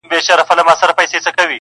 د موږک پر کور مېلمه د غم مرګی سو,